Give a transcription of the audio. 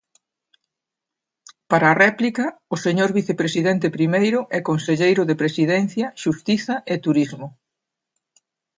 Para a réplica, o señor vicepresidente primeiro e conselleiro de Presidencia, Xustiza e Turismo.